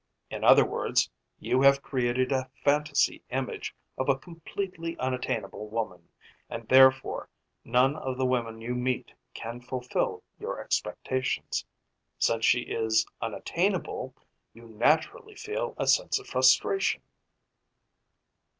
In other words, you have created a fantasy image of a completely unattainable woman, and therefore none of the women you meet can fulfill your expectations. Since she is unattainable, you naturally feel a sense of frustration."